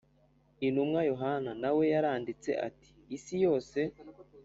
Intumwa yohana na we yaranditse ati isi yose